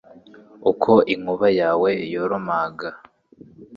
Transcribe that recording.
Uko inkuba yawe yoromaga